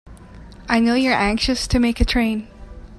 I know you're anxious to make a train.